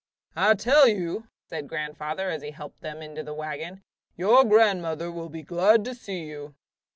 "I tell you," said grandfather, as he helped them into the wagon, "your grandmother will be glad to see you!"